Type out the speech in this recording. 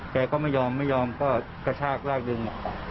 แกก็ไม่ยอมไม่ยอมก็กระชากลากดึง